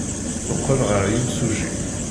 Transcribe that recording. Teqqel ɣer yimsujji.